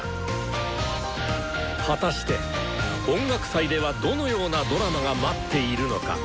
果たして音楽祭ではどのようなドラマが待っているのか⁉